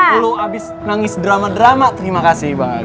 lo abis nangis drama drama terima kasih bang abes